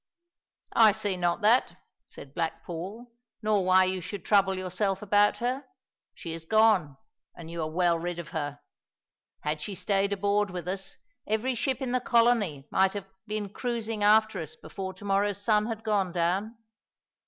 "I see not that," said Black Paul, "nor why you should trouble yourself about her. She is gone, and you are well rid of her. Had she stayed aboard with us, every ship in the colony might have been cruising after us before to morrow's sun had gone down."